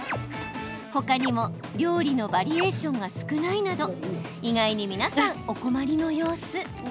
ほかにも料理のバリエーションが少ないなど意外に皆さんお困りの様子。